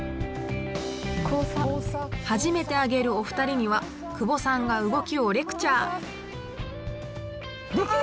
初めてあげるお二人には久保さんが動きをレクチャー！